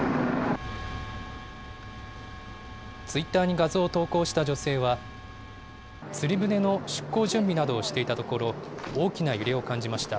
ツイッターに画像を投稿した女性は、釣り船の出航準備などをしていたところ、大きな揺れを感じました。